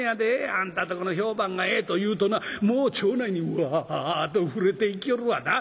あんたんとこの評判がええと言うとなもう町内にわっと触れていきよるわな。